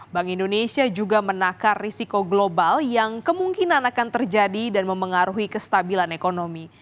bank indonesia juga menakar risiko global yang kemungkinan akan terjadi dan memengaruhi kestabilan ekonomi